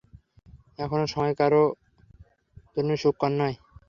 এখানে সময় কারো জন্যই সুখকর নয়।